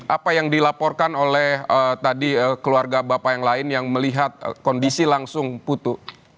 apa yang dilaporkan oleh tadi keluarga bapak yang lain yang melihat kondisi langsung putu